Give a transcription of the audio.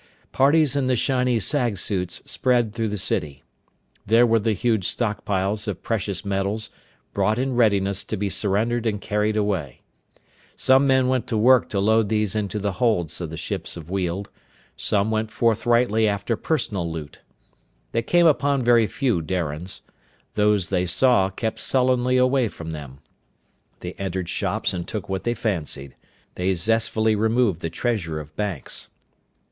Parties in the shiny sag suits spread through the city. There were the huge stockpiles of precious metals, brought in readiness to be surrendered and carried away. Some men set to work to load these into the holds of the ships of Weald. Some went forthrightly after personal loot. They came upon very few Darians. Those they saw kept sullenly away from them. They entered shops and took what they fancied. They zestfully removed the treasure of banks.